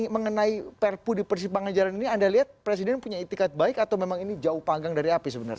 mengenai perpu di persimpangan jalan ini anda lihat presiden punya etikat baik atau memang ini jauh panggang dari api sebenarnya